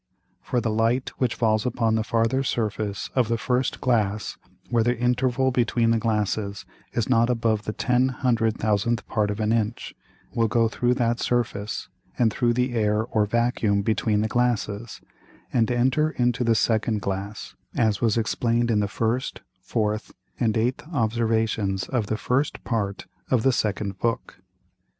For the Light which falls upon the farther Surface of the first Glass where the Interval between the Glasses is not above the ten hundred thousandth Part of an Inch, will go through that Surface, and through the Air or Vacuum between the Glasses, and enter into the second Glass, as was explain'd in the first, fourth, and eighth Observations of the first Part of the second Book.